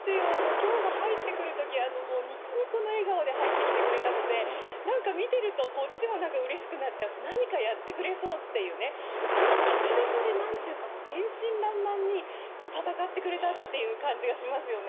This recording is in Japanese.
きょうも入ってくるとき、にこにこの笑顔で入ってきてくれたので、なんか見てると、こっちもなんかうれしくなっちゃうし、何かやってくれそうっていうね、あの明るさで、なんていうか天真らんまんに戦ってくれたっていう感じがしますよ